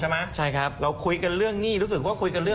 หลายสัปดาห์ครับไปคุยเรื่องนู่นมากครับ